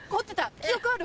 記憶ある？